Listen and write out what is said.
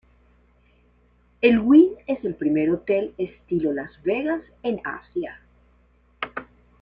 El Wynn es el primer hotel-estilo-Las Vegas en Asia.